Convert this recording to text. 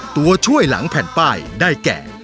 ตัวช่วยหลังแผ่นป้ายได้แก่